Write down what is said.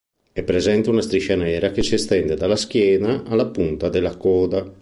È presente una striscia nera che si estende dalla schiena alla punta della coda.